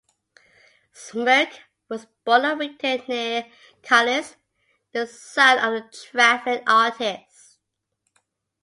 Smirke was born at Wigton near Carlisle, the son of a travelling artist.